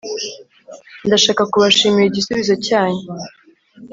Ndashaka kubashimira igisubizo cyanyu